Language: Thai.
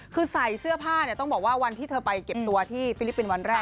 คือใส่เสื้อผ้าเนี่ยต้องบอกว่าวันที่เธอไปเก็บตัวที่ฟิลิปปินส์วันแรก